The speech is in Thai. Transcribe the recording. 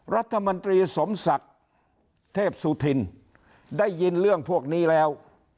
รัฐมนตรีสมศักดิ์เทพสุธินได้ยินเรื่องพวกนี้แล้ว